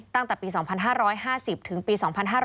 ตั้งแต่ปี๒๕๕๐ถึงปี๒๕๕๙